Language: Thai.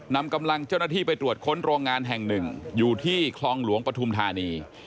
นำกำลังเจ้าหน้าที่ไปตรวจค้นโรงงานแห่งหนึ่งอยู่ที่คลองหลวงปฐุมธานี